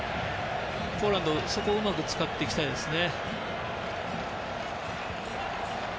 ポーランドはそこをうまく使いたいですね。